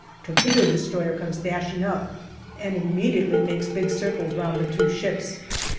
Torpedo destroyer comes dashing up, and immediately makes big circles round the two ships.